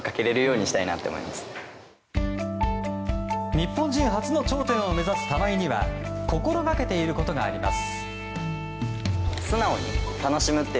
日本人初の頂点を目指す玉井には心がけていることがあります。